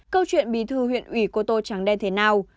câu chuyện bí thư huyện ủy cô tô trắng đen thế nào